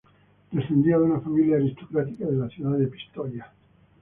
Descendía de una familia aristocrática de la ciudad de Pistoia.